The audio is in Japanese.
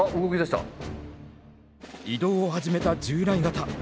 移動を始めた従来型。